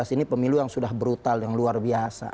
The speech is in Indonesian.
dua ribu sembilan belas ini pemilu yang sudah brutal yang luar biasa